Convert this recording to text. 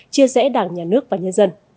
chia rẽ đảng nhà nước và nhân dân